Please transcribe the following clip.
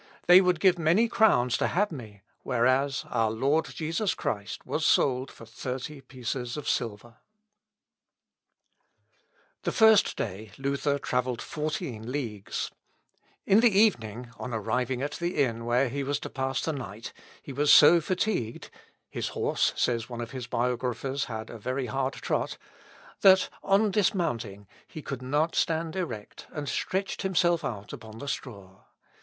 They would give many crowns to have me; whereas, our Lord Jesus Christ was sold for thirty pieces of silver." Weissmann, Hist. Eccl., i, p. 1237. Psalm cxxiv. 7, 8. Luth. Op. (L.) xvii, p. 202. The first day Luther travelled fourteen leagues. In the evening, on arriving at the inn where he was to pass the night, he was so fatigued (his horse, says one of his biographers, had a very hard trot,) that, on dismounting, he could not stand erect, and stretched himself out upon the straw.